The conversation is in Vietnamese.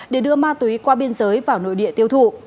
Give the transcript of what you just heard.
để đưa ma túy qua biên giới vào nội địa tiêu thụ